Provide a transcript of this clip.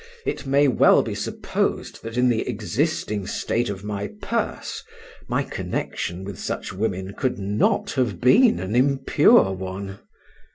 it may well be supposed that in the existing state of my purse my connection with such women could not have been an impure one.